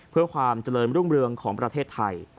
เพื่อความเจริญรุ่งเรืองของประเทศไทย